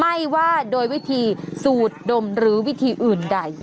ไม่ว่าโดยวิธีสูดดมหรือวิธีอื่นใด